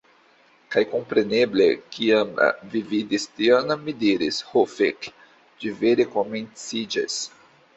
Kaj kompreneble kiam vi vidis tion mi diris, "Ho fek'! Ĝi vere komenciĝas!"